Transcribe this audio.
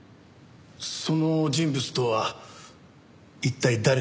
その人物とは一体誰なんだ？